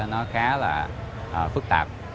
nó khá là phức tạp